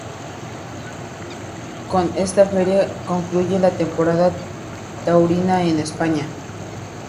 Con esta feria concluye la temporada taurina en España.